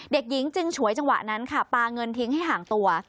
เด็กหญิงจึงฉวยจังหวะนั้นค่ะปลาเงินทิ้งให้ห่างตัว